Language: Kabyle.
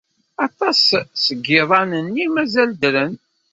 Aṭas seg yiḍan-nni ay mazal ddren.